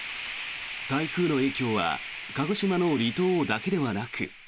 台風の影響は鹿児島の離島だけではなく。